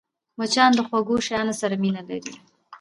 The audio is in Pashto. مچان د خوږو شيانو سره مینه لري